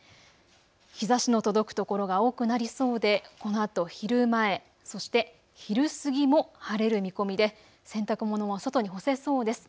日ざしの届く所が多くなりそうでこのあと昼前、そして昼過ぎも晴れる見込みで洗濯物は外に干せそうです。